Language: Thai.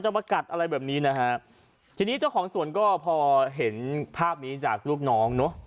ชนิดนี้เจ้าของสวนก็พอเห็นภาพนี้จากลูกน้อง